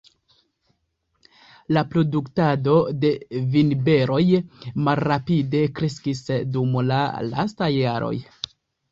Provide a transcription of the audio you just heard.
La produktado de vinberoj malrapide kreskis dum la lastaj jaroj.